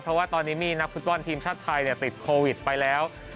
เพราะว่าตอนนี้มีนักฟุตบอลทีมชาติไทยติดโควิดไปแล้ว